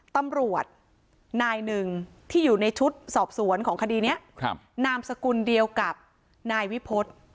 ตำรวจนายหนึ่งที่อยู่ในชุดสอบสวนของคดีนี้นามสกุลเดียวกับนายวิพฤษ